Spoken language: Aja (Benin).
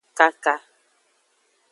Kaka.